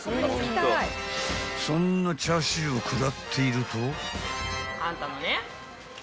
［そんなチャーシューを食らっていると］